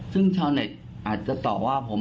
ซึ่งชาวเน็ตอาจจะตอบว่าผม